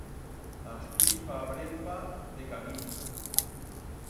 Astí fa brempa de camín.